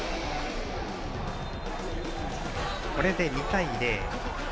これで２対０。